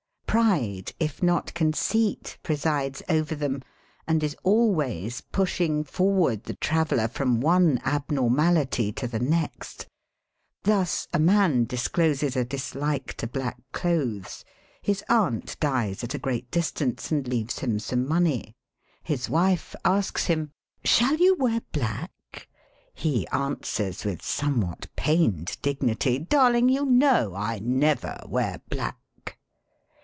Pride, if not conceit, presides over them, and is always pushing forward the traveller from one abnormality to the next. Thus a man discloses a dislike to black clothes. His aunt dies at a great distance and leaves him some money. His wife asks him: 78 SELF AND SELF MANAGEMENT "Shall you wear black?'' He answers with some what pained dignity : "Darling, you know I never wear black."